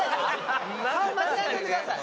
顔間違えんといてください